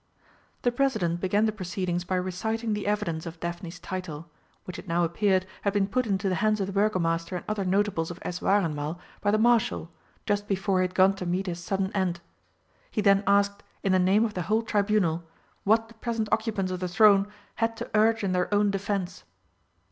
The President began the proceedings by reciting the evidence of Daphne's title, which it now appeared had been put into the hands of the Burgomaster and other notables of Eswareinmal by the Marshal, just before he had gone to meet his sudden end. He then asked, in the name of the whole Tribunal, what the present occupants of the throne had to urge in their own defence.